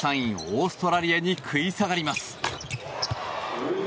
オーストラリアに食い下がります。